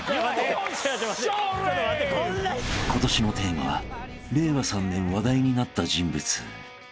［今年のテーマは令和３年話題になった人物］